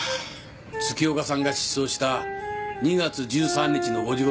月岡さんが失踪した２月１３日の５時ごろは？